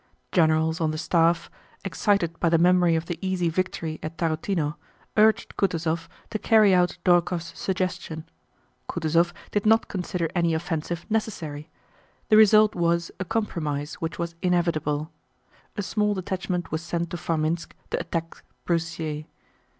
Generals on the staff, excited by the memory of the easy victory at Tarútino, urged Kutúzov to carry out Dórokhov's suggestion. Kutúzov did not consider any offensive necessary. The result was a compromise which was inevitable: a small detachment was sent to Formínsk to attack Broussier.